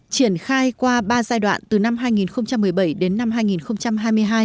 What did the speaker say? triển khai qua ba giai đoạn từ năm hai nghìn một mươi bảy đến năm hai nghìn hai mươi hai